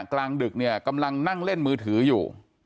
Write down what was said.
กลางดึกเนี่ยกำลังนั่งเล่นมือถืออยู่